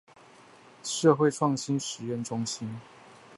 社會創新實驗中心